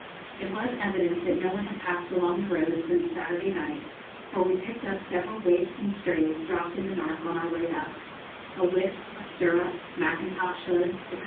It was evident that no one had passed along the road since Saturday night, for we picked up several waifs and strays dropped in the dark on our way up a whip, a stirrup, mackintosh hood, &c.